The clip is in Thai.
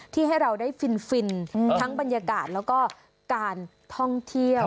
ให้เราได้ฟินทั้งบรรยากาศแล้วก็การท่องเที่ยว